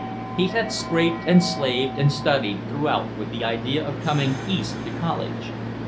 He had scraped and slaved and studied throughout with the idea of coming East to college.